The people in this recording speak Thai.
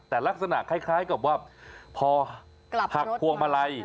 แต่ลักษณะคล้ายกับว่าพอหักพวงมาลัย